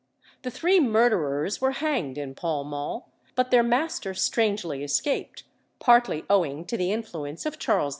The three murderers were hanged in Pall Mall, but their master strangely escaped, partly owing to the influence of Charles II.